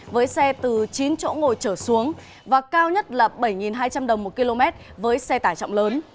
với xe từ chín chỗ ngồi trở xuống và cao nhất là bảy hai trăm linh đồng một km với xe tải trọng lớn